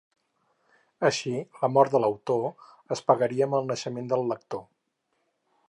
Així, la mort de l'autor es pagaria amb el naixement del lector.